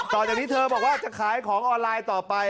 ต่อจากนี้เธอบอกว่าจะขายของออนไลน์ต่อไป